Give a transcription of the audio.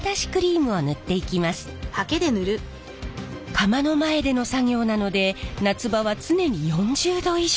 窯の前での作業なので夏場は常に４０℃以上！